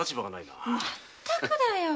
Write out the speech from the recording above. まったくだよ。